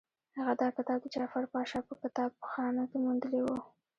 هغه دا کتاب د جعفر پاشا په کتابخانه کې موندلی وو.